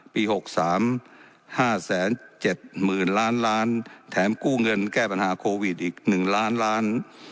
ปีหกสามห้าแสนเจ็ดหมื่นล้านล้านแถมกู้เงินแก้ปัญหาโควิดอีกหนึ่งล้านล้าน